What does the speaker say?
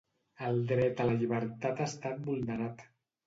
El dret a la llibertat ha estat vulnerat.